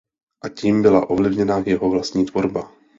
A tím byla ovlivněna jeho vlastní tvorba.